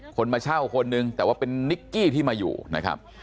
คนมาเช่าคนนึงแต่ว่าเป็นนิกกี้ที่มาอยู่นะครับ